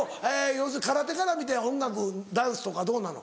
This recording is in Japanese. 要するに空手から見て音楽ダンスとかどうなの？